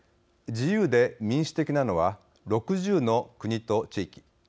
自由で民主的なのは６０の国と地域。